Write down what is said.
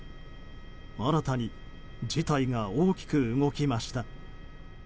新たに事態が大きく動きました。